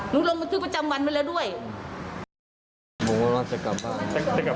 รู้รงค์คือประจำวันมาแล้วด้วยผมก็ไม่รอจะกลับบ้านจะจะ